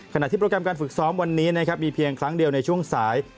ขณะที่การฝึกซ้อมวันนี้มีเพียงครั้งเดียวในช่วงสาย